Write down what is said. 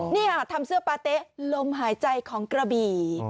นี่ค่ะทำเสื้อปาเต๊ะลมหายใจของกระบี่